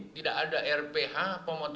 tidak ada rph pemotongan yang telah dikonsumsi